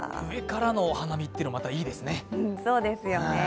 上からのお花見っていうの、またいいですね。